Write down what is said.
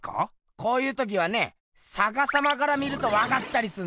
こういう時はねさかさまから見るとわかったりすんだよ。